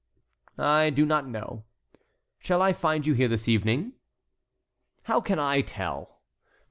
"I do not know." "Shall I find you here this evening?" "How can I tell?"